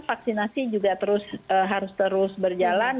vaksinasi juga harus terus berjalan